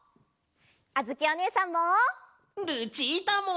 あづきおねえさんも！